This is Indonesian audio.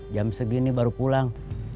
jam segini baru pulang